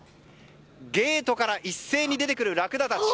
ゲートから一斉に出てくるラクダたち。